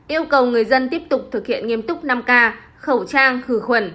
yêu cầu người dân tiếp tục thực hiện nghiêm túc năm k khẩu trang khử khuẩn